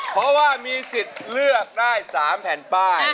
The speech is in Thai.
เพราะว่ามีสิทธิ์เลือกได้๓แผ่นป้าย